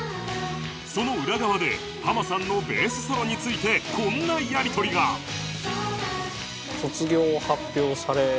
その裏側でハマさんのベースソロについてこんなやり取りがへえ。